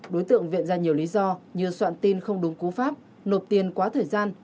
đối tượng viện ra nhiều lý do như soạn tin không đúng cú pháp nộp tiền quá thời gian